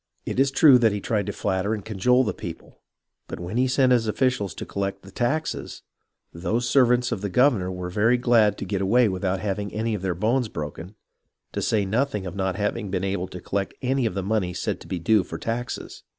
It is true that he tried to flatter and cajole the people, but when he sent his officials to collect the taxes, those servants of the governor were very glad to get away without having any of their bones broken, to say nothing of not having been able to collect any of the money said to be due for taxes.